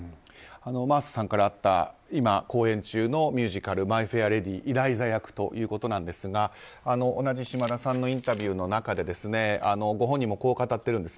真麻さんからあった今、公演中のミュージカル「マイ・フェア・レディ」イライザ役ということなんですが同じ島田さんのインタビューの中でご本人もこう語っているんです。